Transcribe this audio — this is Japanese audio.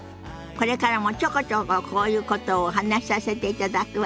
これからもちょこちょここういうことをお話しさせていただくわね。